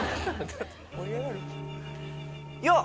よっ！